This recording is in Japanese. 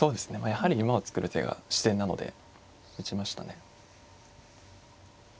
やはり馬を作る手が自然なので打ちましたね。